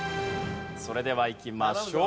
それではいきましょう。